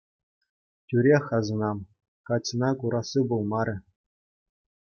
Тӳрех асӑнам, Катьӑна курасси пулмарӗ.